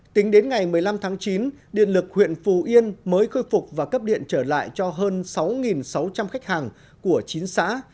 tính đến ngày một mươi năm tháng chín điện lực huyện phù yên mới khôi phục và cấp điện trở lại cho hơn sáu sáu trăm linh khách hàng của chín xã